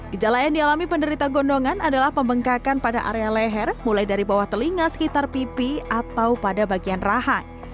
gejala yang dialami penderita gondongan adalah pembengkakan pada area leher mulai dari bawah telinga sekitar pipi atau pada bagian rahang